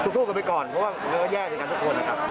สู้กันไปก่อนเพราะว่ามันก็แย่เหมือนกันทุกคนนะครับ